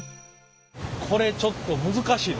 これちょっと難しいですね